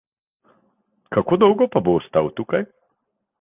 Kako dolgo pa bo ostal tukaj?